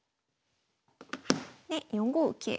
で４五桂。